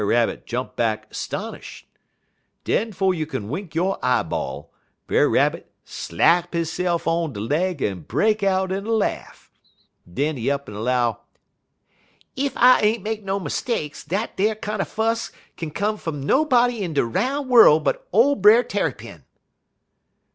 "Brer Rabbit jump back 'stonish'd. Den 'fo' you kin wink yo' eye ball, Brer Rabbit slap hisse'f on de leg en break out in a laugh. Den he up'n 'low: "'Ef I ain't make no mistakes, dat ar kinder fuss kin come fum nobody in de roun' worl' but ole Brer Tarrypin.'